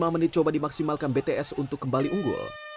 lima menit coba dimaksimalkan bts untuk kembali unggul